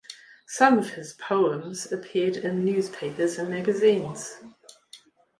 Some of his poems appeared in newspapers and magazines.